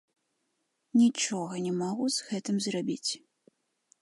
Нічога не магу з гэтым зрабіць.